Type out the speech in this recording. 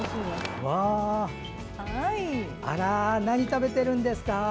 何食べてるんですか？